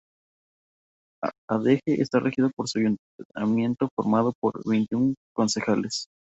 Adeje está regido por su ayuntamiento, formado por veintiún concejales.